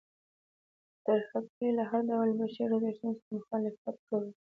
ترهګرۍ له هر ډول بشري ارزښتونو سره مخالفت کوي.